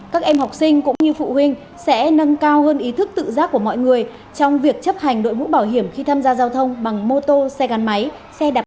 các em học sinh cũng như phụ huynh sẽ nâng cao hơn ý thức tự giác của mọi người trong việc chấp hành đội mũ bảo hiểm khi tham gia giao thông bằng mô tô xe gắn máy xe đạp